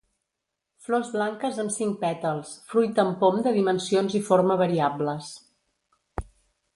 Flors blanques amb cinc pètals, fruit en pom de dimensions i forma variables.